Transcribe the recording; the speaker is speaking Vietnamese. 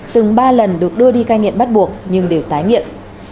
từng ba lần được đưa đi cai nghiện bắt buộc nhưng đều tái nghiện